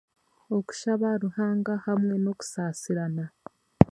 Okushaba Ruhanga hamwe n'okusaasirana.